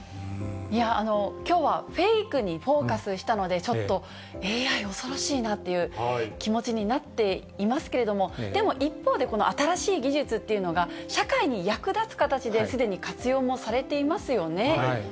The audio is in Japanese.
いや、きょうはフェイクにフォーカスしたので、ちょっとＡＩ、恐ろしいなっていう気持ちになっていますけれども、でも一方で、この新しい技術っていうのが、社会に役立つ形ですでに活用もされていますよね。